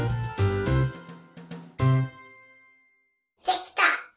できた！